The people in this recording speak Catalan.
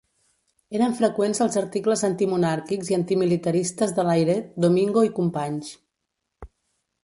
Eren freqüents els articles antimonàrquics i antimilitaristes de Layret, Domingo i Companys.